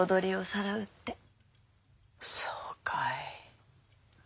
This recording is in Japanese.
そうかい。